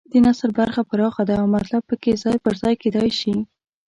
د نثر برخه پراخه ده او مطلب پکې ځای پر ځای کېدای شي.